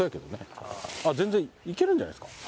全然いけるんじゃないですか？